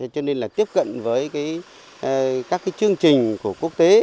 cho nên là tiếp cận với các chương trình của quốc tế